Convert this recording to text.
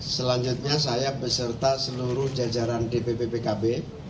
selanjutnya saya beserta seluruh jajaran dpp pkb